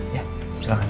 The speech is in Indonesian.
ya silahkan silahkan